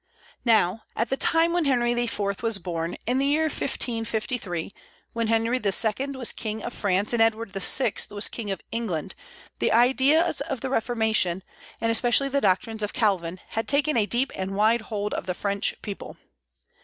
Now, at the time when Henry IV. was born, in the year 1553, when Henry II. was King of France and Edward VI. was King of England, the ideas of the Reformation, and especially the doctrines of Calvin, had taken a deep and wide hold of the French people.